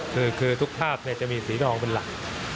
คือทุกภาพจะมีสีดองเป็นหลัก